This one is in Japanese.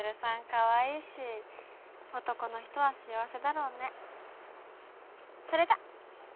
かわいいし男の人は幸せだろうねそれじゃ！